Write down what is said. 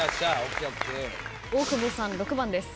大久保さん６番です。